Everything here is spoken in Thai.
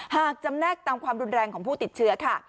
หากจำแนกตามความรุนแรงของผู้ติดเชื้อค่ะ